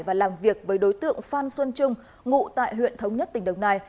và làm việc với đối tượng phan xuân trung ngụ tại huyện thống nhất tỉnh đồng nai